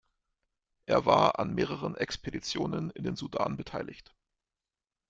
Er war an mehreren Expeditionen in den Sudan beteiligt.